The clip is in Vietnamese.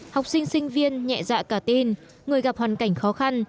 học sinh sinh viên nhẹ dạ cả tin người gặp hoàn cảnh khó khăn